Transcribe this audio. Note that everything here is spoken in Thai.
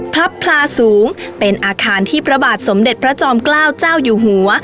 พลับพลาสูงเป็นอาคารที่พระบาทสมเด็จพระจอมเกล้าเจ้าอยู่หัว